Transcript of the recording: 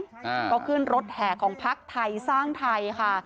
อ่าก็ขึ้นรถแห่ของพักไทยสร้างไทยค่ะ